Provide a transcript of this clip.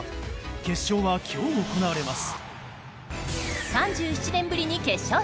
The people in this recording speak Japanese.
決勝は今日行われます。